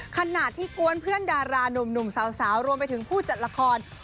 ขณะที่กวนเพื่อนดารานุ่มสาวรวมไปถึงผู้จัดละคร